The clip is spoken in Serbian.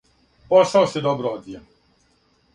Посао се добро одвија.